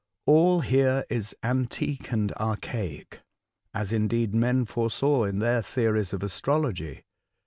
All here is antique and archaic, as, indeed, men foresaw in their theories of astrology.